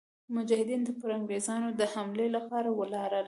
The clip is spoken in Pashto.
مجاهدین پر انګرېزانو د حملې لپاره ولاړل.